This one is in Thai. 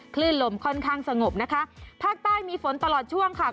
คลื่นลมค่อนข้างสงบนะคะภาคใต้มีฝนตลอดช่วงค่ะ